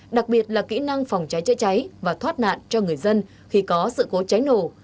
đặc biệt là kỹ năng phòng cháy chữa cháy và thoát nạn cho người dân khi có sự cố cháy nổ